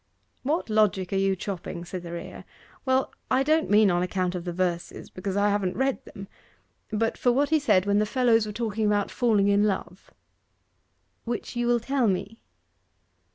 'What logic are you chopping, Cytherea? Well, I don't mean on account of the verses, because I haven't read them; but for what he said when the fellows were talking about falling in love.' 'Which you will tell me?